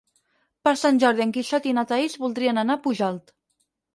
Per Sant Jordi en Quixot i na Thaís voldrien anar a Pujalt.